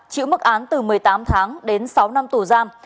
chịu mức án từ một mươi tám tháng đến sáu năm tù giam